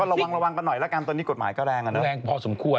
เอาเร็วอะนะก็ระวังกันหน่อยดีละกันตอนนี้กฎหมายก็แรงก็แรงพอสมควร